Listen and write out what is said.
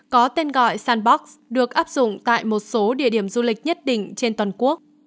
có tên gọi sanbox được áp dụng tại một số địa điểm du lịch nhất định trên toàn quốc